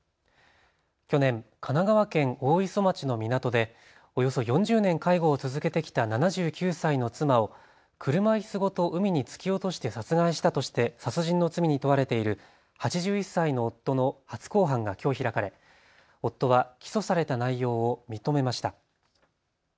去年、神奈川県大磯町の港でおよそ４０年介護を続けてきた７９歳の妻を車いすごと海に突き落として殺害したとして殺人の罪に問われている８１歳の夫の初公判がきょう開かれ夫は起訴された内容を認めました。